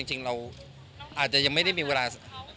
จริงเราอาจจะยังไม่ได้มีเวลา